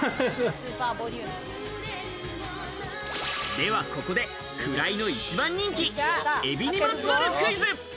では、ここでフライの一番人気エビにまつわるクイズ。